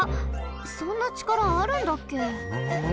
そんなちからあるんだっけ？